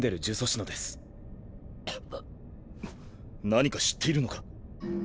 何か知っているのか？